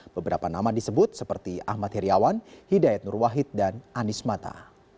beberapa nama disebut seperti ahmad hiriawan hidayat nurwahid dan anies mata